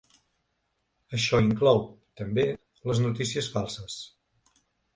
Això inclou, també, les notícies falses.